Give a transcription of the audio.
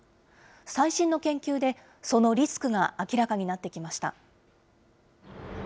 最新の研究でそのリスクが明らかになってきました。